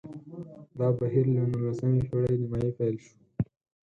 دا بهیر له نولسمې پېړۍ نیمايي پیل شو